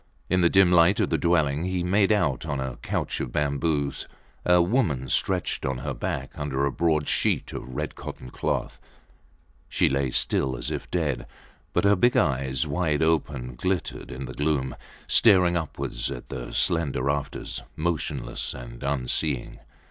In the dim light of the dwelling he made out on a couch of bamboos a woman stretched on her back under a broad sheet of red cotton cloth. She lay still, as if dead; but her big eyes, wide open, glittered in the gloom, staring upwards at the slender rafters, motionless and unseeing.